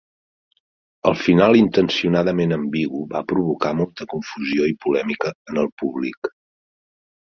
El final intencionadament ambigu va provocar molta confusió i polèmica en el públic.